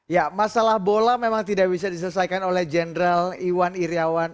ya masalah bola memang tidak bisa diselesaikan oleh jenderal iwan iryawan